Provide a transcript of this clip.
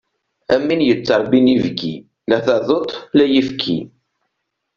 Am win yettrebbin ibki, la taduṭ la ayefki.